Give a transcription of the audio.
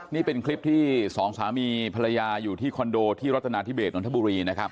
นี่เป็นคลิปที่สองสามีภรรยาอยู่ที่คอนโดที่รัฐนาธิเบสนนทบุรีนะครับ